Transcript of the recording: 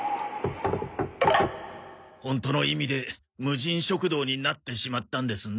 ホントの意味で無人食堂になってしまったんですね。